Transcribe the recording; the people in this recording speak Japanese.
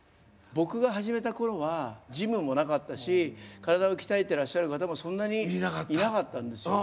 僕が始めたころはジムもなかったし体を鍛えてらっしゃる方もそんなにいなかったんですよ。